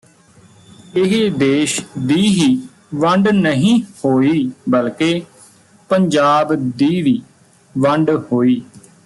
ਇਹ ਦੇਸ਼ ਦੀ ਹੀ ਵੰਡ ਨਹੀਂ ਹੋਈ ਬਲਕਿ ਪੰਜਾਬ ਦੀ ਵੀ ਵੰਡ ਹੋਈ